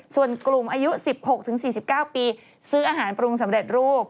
ส่วนกลุ่มอายุ๑๖๔๙ปีซื้ออาหารปรุงสำเร็จรูป